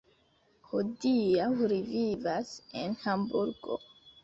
Hodiaŭ li vivas en Hamburgo.